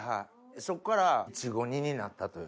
そこからいちご煮になったという。